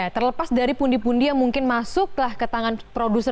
terlepas dari pundi pundi yang mungkin masuklah ke tangan produser